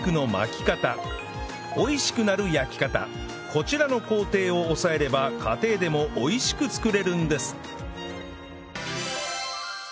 こちらの工程を押さえれば家庭でも美味しく作れるんです